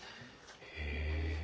へえ。